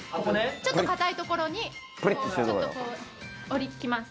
ちょっと硬いところにおきます。